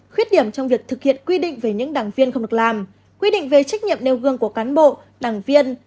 khuyết điểm trong việc thực hiện quy định về những đảng viên không được làm quy định về trách nhiệm nêu gương của cán bộ đảng viên